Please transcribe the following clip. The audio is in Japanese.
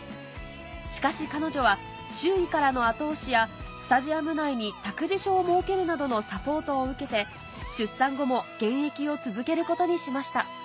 しかし彼女は周囲からの後押しやを設けるなどのサポートを受けて出産後も現役を続けることにしました